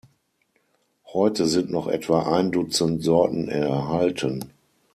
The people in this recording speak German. Heute sind noch etwa ein Dutzend Sorten erhalten.